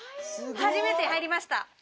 初めて入りました。